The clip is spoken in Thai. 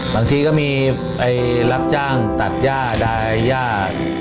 บางทีก็มีไปรับจ้างตัดย่าได้ย่า